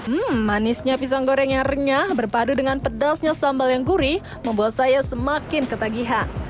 hmm manisnya pisang goreng yang renyah berpadu dengan pedasnya sambal yang gurih membuat saya semakin ketagihan